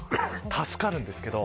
助かるんですけど。